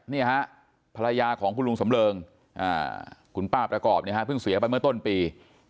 นี่ฮะภรรยาของคุณลุงสำเริงคุณป้าประกอบเนี่ยฮะเพิ่งเสียไปเมื่อต้นปี